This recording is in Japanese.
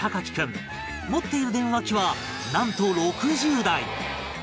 持っている電話機はなんと６０台！